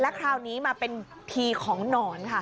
คราวนี้มาเป็นผีของหนอนค่ะ